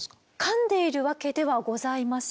かんでいるわけではございません。